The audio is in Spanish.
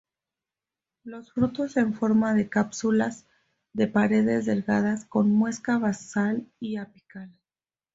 Los frutos en forma de cápsulas de paredes delgadas, con muesca basal y apical.